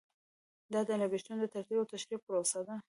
دا د لګښتونو د ترتیب او تشریح پروسه ده.